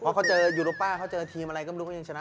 เพราะเขาเจอยูโรปป้าเขาเจอทีมอะไรก็ไม่รู้ว่าเขายังชนะ